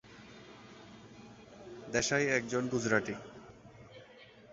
দেশাই একজন গুজরাটি।